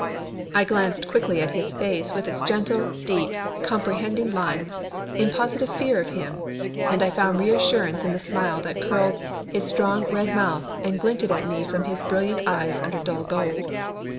I glanced quickly at his face with its gentle, deep, comprehending lines, in positive fear of him, and I found reassurance in the smile that curled his strong red mouth and glinted at me from his brilliant eyes under dull gold.